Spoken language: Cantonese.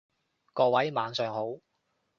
各位晚上好